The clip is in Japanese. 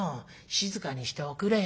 静かにしておくれよ。